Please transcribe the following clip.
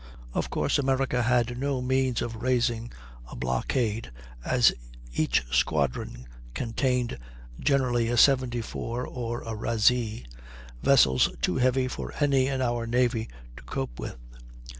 Of course America had no means of raising a blockade, as each squadron contained generally a 74 or a razee, vessels too heavy for any in our navy to cope with.